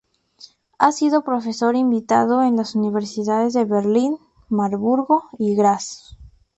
Ha sido profesor invitado en las universidades de Berlín, Marburgo y Graz.